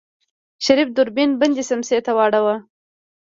شريف دوربين بندې سمڅې ته واړوه.